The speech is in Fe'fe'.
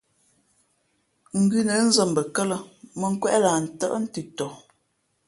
Ngʉnə̌ nzᾱ mbαkάlᾱ mᾱ nkwéʼ lah ntάʼ mᾱnthʉ̄ʼ ntʉntɔ.